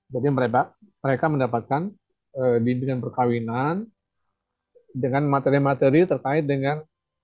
jadi mereka mendapatkan bimbingan perkawinan dengan materi materi terkait dengan